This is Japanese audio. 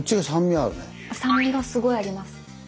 酸味がすごいあります。